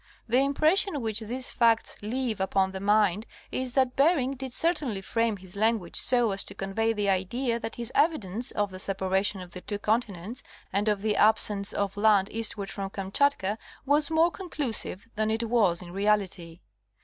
The impression which these facts leave upon the mind is that Bering did certainly frame his language so as to convey the idea that his evidence of the separation of the two continents and of the absence of land eastward from Kamchatka was more conclu sive than it was in reality.